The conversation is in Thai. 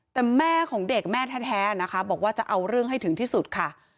แต่แม่ของเด็กแม่แท้นะคะบอกว่าจะเอาเรื่องให้ถึงที่สุดค่ะ